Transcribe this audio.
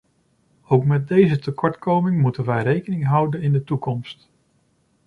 Ook met deze tekortkoming moeten wij rekening houden in de toekomst.